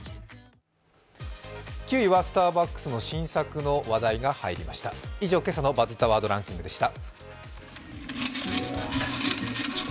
９位はスターバックスの新作の話題が入りました。